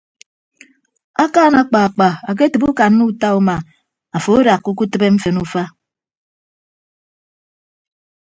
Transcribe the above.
Akaan akpaakpa aketịbe ukanna uta uma afo adakka uke tịbe mfen ufa.